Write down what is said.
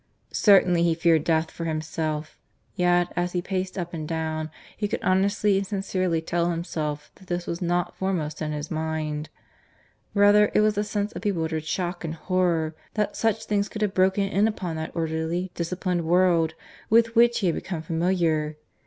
Certainly he feared death for himself; yet, as he paced up and down, he could honestly and sincerely tell himself that this was not foremost in his mind. Rather it was a sense of bewildered shock and horror that such things could have broken in upon that orderly, disciplined world with which he had become familiar.